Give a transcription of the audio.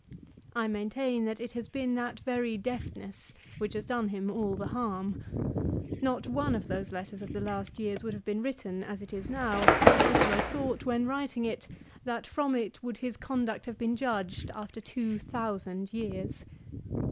I maintain that it has been that very deftness which has done him all the harm. Not one of those letters of the last years would have been written as it is now had Cicero thought when writing it, that from it would his conduct have been judged after two thousand years.